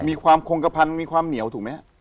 มีความคงกระพันมีความเหนียวถูกไหมฮะ